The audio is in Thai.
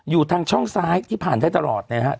อยู่ทางช่องซ้ายที่ผ่านได้ตลอดนะครับ